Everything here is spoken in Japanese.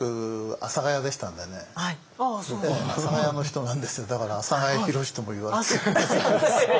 阿佐ヶ谷の人なんですだから「阿佐ヶ谷宏」とも言われる。